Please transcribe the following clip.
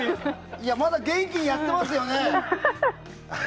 いやまだ元気にやってますよね？